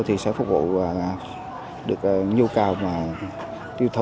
thì sẽ phục vụ được nhu cầu mà tiêu thụ